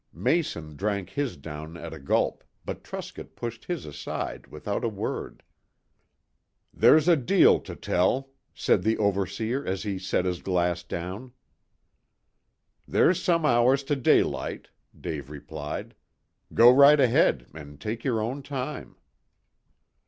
Mason drank his down at a gulp, but Truscott pushed his aside without a word. "There's a deal to tell," said the overseer, as he set his glass down. "There's some hours to daylight," Dave replied. "Go right ahead, and take your own time."